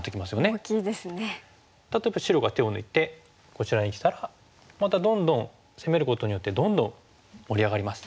例えば白が手を抜いてこちらにきたらまたどんどん攻めることによってどんどん盛り上がります。